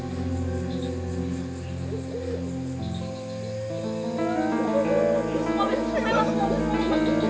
terima kasih sakti